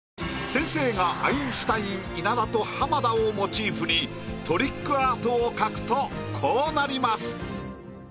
先生がアインシュタイン稲田と浜田をモチーフにトリックアートを描くとこうなります。